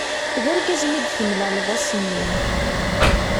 D argaz-nni i d-temlaleḍ ass-nni.